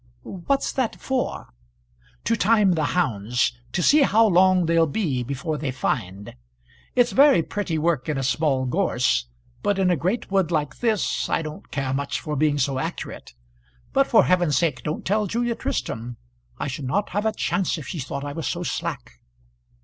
"What's that for?" "To time the hounds; to see how long they'll be before they find. It's very pretty work in a small gorse, but in a great wood like this I don't care much for being so accurate. But for heaven's sake don't tell Julia Tristram; I should not have a chance if she thought I was so slack."